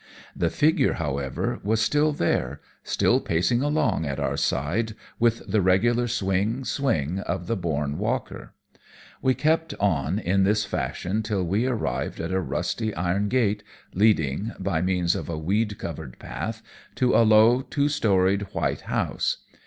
The figure, however, was still there, still pacing along at our side with the regular swing, swing of the born walker. We kept on in this fashion till we arrived at a rusty iron gate leading, by means of a weed covered path, to a low, two storied white house.